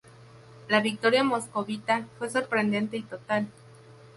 La victoria moscovita fue sorprendente y total.